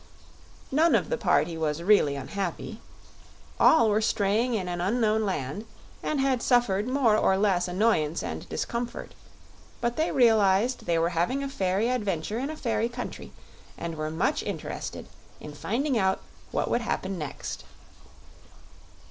None of the party was really unhappy. All were straying in an unknown land and had suffered more or less annoyance and discomfort; but they realized they were having a fairy adventure in a fairy country, and were much interested in finding out what would happen next.